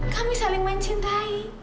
kami saling mencintai